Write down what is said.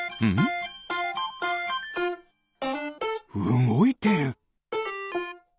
うごいてる！